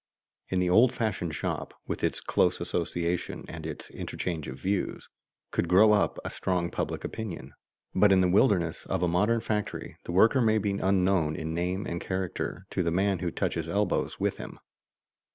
In the old fashioned shop, with its close association and its interchange of views, could grow up a strong public opinion; but in the wilderness of a modern factory the worker may be unknown in name and character to the man who touches elbows with him.